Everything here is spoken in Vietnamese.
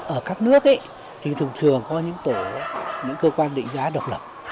ở các nước thì thường thường có những tổ những cơ quan định giá độc lập